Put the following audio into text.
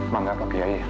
mangga pak yai